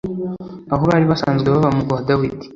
aho bari basanzwe baba mu murwa wa Dawidi.